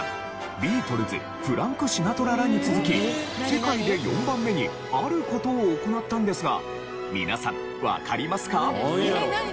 ビートルズフランク・シナトラらに続き世界で４番目にある事を行ったんですが皆さんわかりますか？